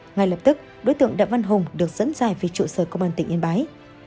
ngay lập tức đối tượng đạng văn hùng được dẫn dài về trụ sở công an tỉnh yên bái